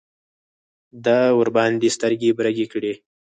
ده ورباندې سترګې برګې کړې.